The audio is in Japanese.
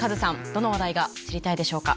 どの話題が知りたいでしょうか？